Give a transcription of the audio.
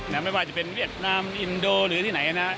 ไม่ว่าจะเป็นเวียดนามอินโดหรือที่ไหนนะครับ